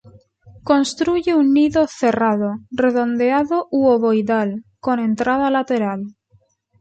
Construye un nido cerrado, redondeado u ovoidal, con entrada lateral.